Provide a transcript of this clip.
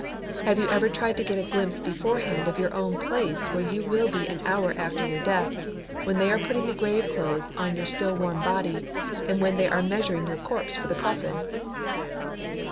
Have you ever tried to get a glimpse beforehand of your own place where you will be an hour after your death, when they are putting the grave clothes on your still warm body, and when they are measuring your corpse for your coffin?